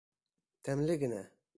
Тәмле генә.